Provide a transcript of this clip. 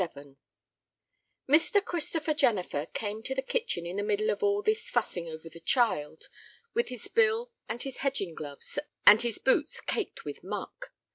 XXVII Mr. Christopher Jennifer came to the kitchen in the middle of all this fussing over the child, with his bill and his hedging gloves and his boots caked with muck.